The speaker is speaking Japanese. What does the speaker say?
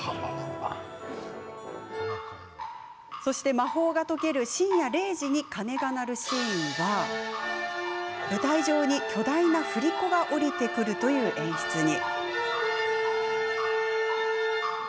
魔法が解ける深夜０時に鐘が鳴るシーンは舞台上に巨大な振り子が下りてくるという演出に。